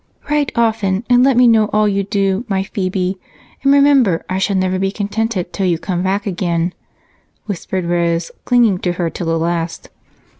"Write often, and let me know all you do, my Phebe, and remember I shall never be contented till you come back again," whispered Rose, clinging to her till the last.